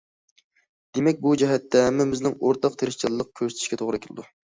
دېمەك، بۇ جەھەتتە ھەممىمىزنىڭ ئورتاق تىرىشچانلىق كۆرسىتىشىگە توغرا كېلىدۇ.